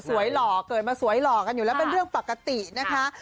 หล่อเกิดมาสวยหล่อกันอยู่แล้วเป็นเรื่องปกตินะคะ